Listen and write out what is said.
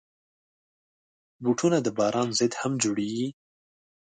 بوټونه د باران ضد هم جوړېږي.